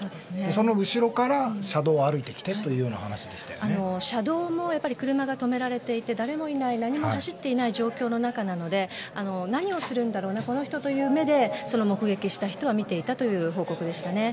その後ろから、車道を歩いてきて車道も車が止められていて誰もいない、何も走っていない状況の中でこの人は何をするんだろうなという目でその目撃していた人は見ていたという報告でしたね。